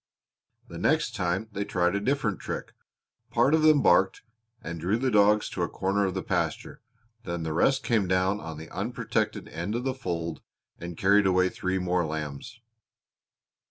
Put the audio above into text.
The next time they tried a different trick: part of them barked and drew the dogs to a corner of the pasture, and then the rest came down on the unprotected end of the fold and carried away three more lambs."